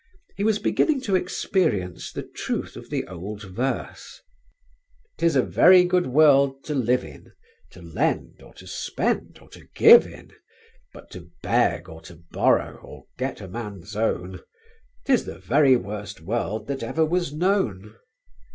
He was beginning to experience the truth of the old verse: 'Tis a very good world to live in, To lend or to spend or to give in, But to beg or to borrow or get a man's own, 'Tis the very worst world that ever was known.